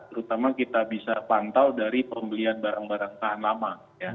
terutama kita bisa pantau dari pembelian barang barang tahan lama